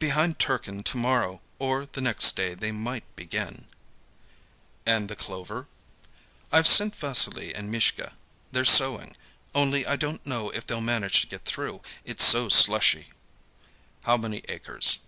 "Behind Turkin tomorrow or the next day they might begin." "And the clover?" "I've sent Vassily and Mishka; they're sowing. Only I don't know if they'll manage to get through; it's so slushy." "How many acres?"